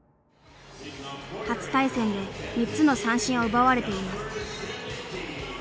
初対戦で３つの三振を奪われています。